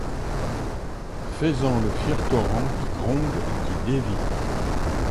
Fais-en le fier torrent qui gronde et qui dévie